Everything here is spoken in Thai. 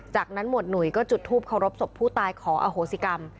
จากนั้นหวดหนุ่ยก็จุดทูปเคารพศพผู้ตายขออโหสิกรรม